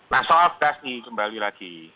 nah soal gas nih kembali lagi